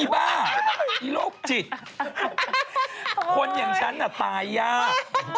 บ๊ายลูกจิตคนอย่างฉันน่ะตายหยาบ